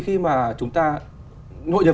khi mà chúng ta nội nhập